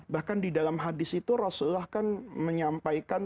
bahkan di dalam hadis itu rasulullah kan menyampaikan